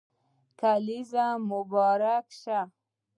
کلېزه مو مبارک شه